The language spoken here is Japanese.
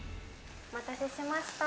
お待たせしました。